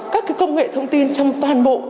các công nghệ thông tin trong toàn bộ